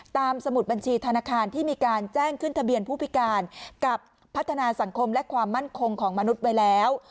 สมุดบัญชีธนาคารที่มีการแจ้งขึ้นทะเบียนผู้พิการกับพัฒนาสังคมและความมั่นคงของมนุษย์ไว้แล้ว